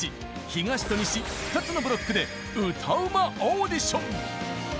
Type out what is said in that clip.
東と西２つのブロックで歌うまオーディション！